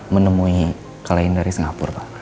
menemui kalian dari singapura